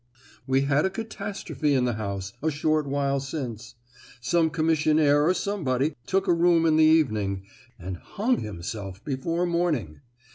We had a catastrophe in the house a short while since. Some commissionnaire or somebody took a room in the evening, and hung himself before morning.